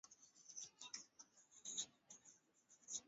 changanya na Juisi ya chungwa au limao freshi